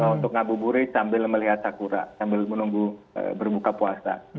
untuk ngabuburit sambil melihat sakura sambil menunggu berbuka puasa